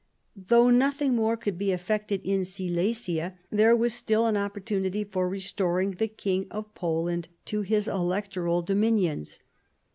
Though nothing more could be effected in Silesia, there was still an opportunity for restoring the King of Poland to his electoral dominions.